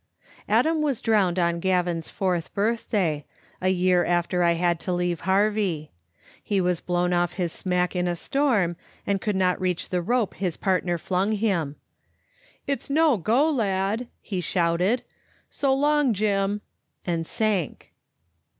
Adam was drowned on Gavin's fourth birthday, a year after I had to leave Harvie. He was blown off his smack in a storm, and could not reach the rope his partner flung him. "It's no go, lad," he shouted; "so long, Jim," and sank.